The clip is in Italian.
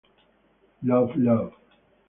Love Love